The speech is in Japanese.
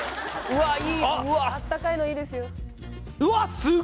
うわっ温かいのいいですよ